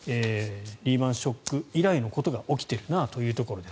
リーマン・ショック以来のことが起きているなというところ。